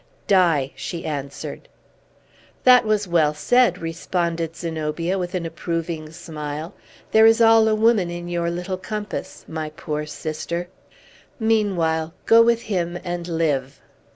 "Die!" she answered. "That was well said!" responded Zenobia, with an approving smile. "There is all a woman in your little compass, my poor sister. Meanwhile, go with him, and live!"